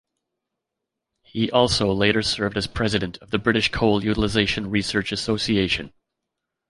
He also later served as president of the British Coal Utilization Research Association.